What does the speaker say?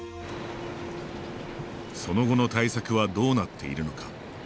その後の対策はどうなっているのか。